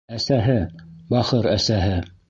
Әсәһе, бахыр әсәһе.